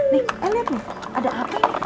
nih lihat nih ada hp